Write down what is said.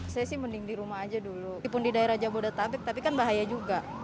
saya sih mending di rumah aja dulu ipun di daerah jabodetabek tapi kan bahaya juga